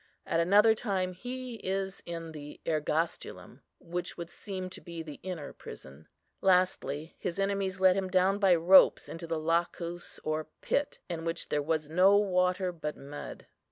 At another time he is in the "ergastulum," which would seem to be the inner prison. Lastly his enemies let him down by ropes into the lacus or pit, in which "there was no water, but mud."